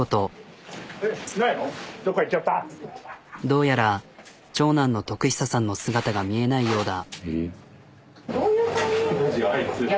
どうやら長男の徳久さんの姿が見えないようだ。